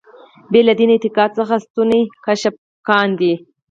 بې له دیني اعتقاد څخه سنتونه کشف کاندي.